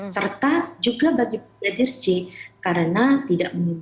serta juga bagi bader c karena tidak mengundur